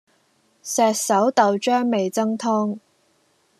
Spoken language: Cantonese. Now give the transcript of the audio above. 石狩豆漿味噌湯